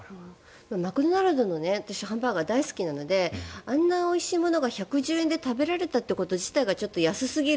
マクドナルドのハンバーガー大好きなのであんなにおいしいものが１１０円で食べられたということが安すぎる。